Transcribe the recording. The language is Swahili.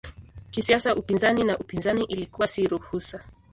Kisiasa upinzani na upinzani ilikuwa si ruhusa.